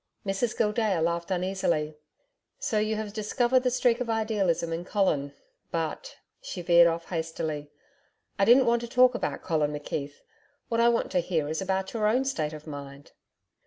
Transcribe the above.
Mrs Gildea laughed uneasily. 'So you have discovered the streak of idealism in Colin. But' she veered off hastily, 'I didn't want to talk about Colin McKeith. What I want is to hear about your own state of mind.'